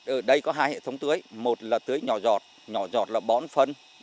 ở đây có hai hệ thống tưới một là tưới nhỏ giọt nhỏ giọt là bón phân